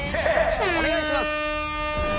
おねがいします！